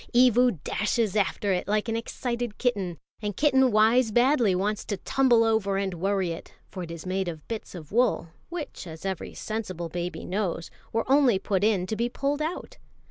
Evu dashes after it like an excited kitten, and kitten wise badly wants to tumble over and worry it; for it is made of bits of wool, which, as every sensible baby knows, were only put in to be pulled out.